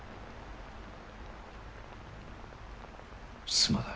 すまない。